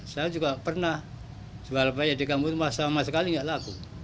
saya juga pernah jual banyak di kampung rumah sama sekali nggak laku